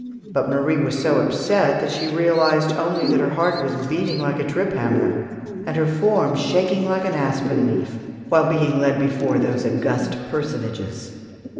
But Marie was so upset that she realized only that her heart was beating like a trip hammer, and her form shaking like an aspen leaf, while being led before those august personages.